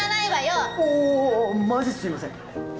おおーマジすいません